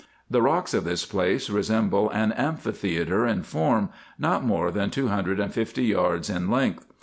The rocks of this place resemble an amphi theatre in form, not more than two hundred and fifty yards in length.